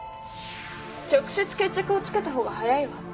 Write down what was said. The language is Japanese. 直接決着をつけた方が早いわ。